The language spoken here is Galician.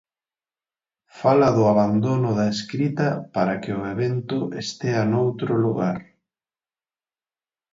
Fala do abandono da escrita para que o evento estea noutro lugar.